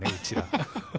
ハハハ。